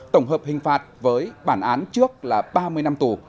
tổng hợp hình phạt với bản án trước là ba mươi năm tù